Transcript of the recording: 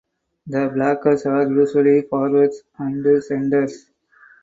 The blockers are usually forwards and centers.